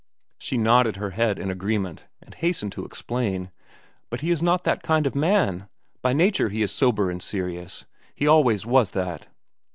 She nodded her head in agreement, and hastened to explain: "But he is not that type of man. By nature he is sober and serious. He always was that."